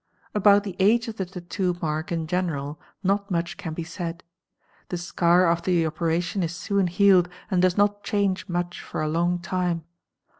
About the age of the tattoo mark in general not much can be said. The scar after the operation is soon healed and does not change much for along time.